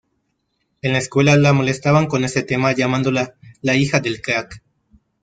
En la escuela la molestaban con este tema llamándola "La Hija Del Crack".